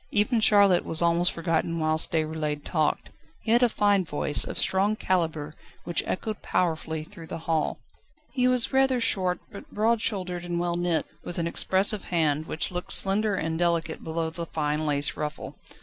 Even Charlotte was almost forgotten whilst Déroulède talked. He had a fine voice, of strong calibre, which echoed powerfully through the hall. He was rather short, but broad shouldered and well knit, with an expressive hand, which looked slender and delicate below the fine lace ruffle.